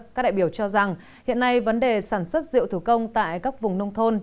các đại biểu cho rằng hiện nay vấn đề sản xuất rượu thủ công tại các vùng nông thôn